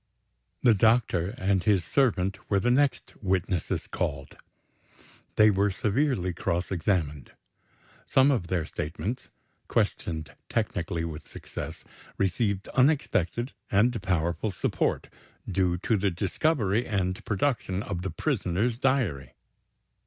The doctor and his servant were the next witnesses called. They were severely cross examined. Some of their statements questioned technically with success received unexpected and powerful support, due to the discovery and production of the prisoner's diary.